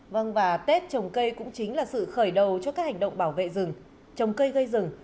vâng và tết trồng cây cũng chính là sự khởi đầu cho các hành động bảo vệ rừng trồng cây gây rừng